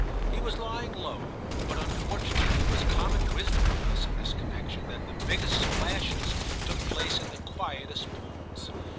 He was lying low, but unfortunately it was common wisdom with us in this connexion that the biggest splashes took place in the quietest pools.